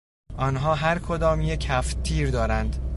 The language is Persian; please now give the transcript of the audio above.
آنها هر کدام یک هفتتیر دارند.